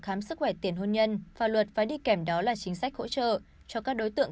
khám sức khỏe tiền hôn nhân và luật phải đi kèm đó là chính sách hỗ trợ cho các đối tượng